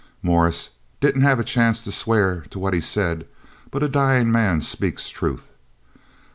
Morris didn't have a chance to swear to what he said, but a dying man speaks truth.